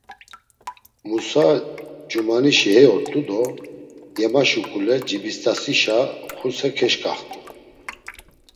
Musa ç̌umanişi hey ort̆u do yema şuǩule Cibist̆asişa Xuse keşǩaxt̆u.